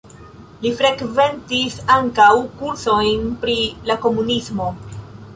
Li frekventis ankaŭ kursojn pri la komunismo.